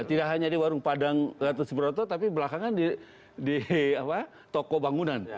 tidak hanya di warung padang gatot subroto tapi belakangan di toko bangunan